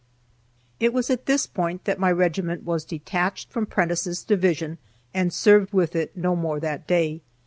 It was at this point that my regiment was detached from Prentiss' division and served with it no more that day.